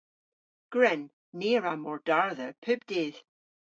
Gwren. Ni a wra mordardha pub dydh.